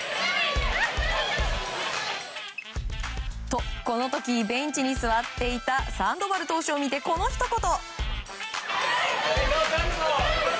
と、この時ベンチに座っていたサンドバル投手を見てこのひと言。